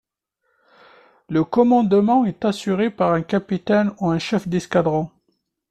Le commandement est assuré par un capitaine ou un chef d’escadron.